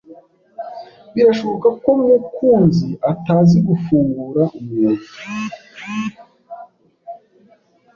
Birashoboka ko Mukunzi atazi gufungura umwobo.